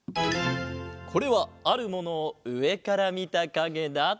これはあるものをうえからみたかげだ。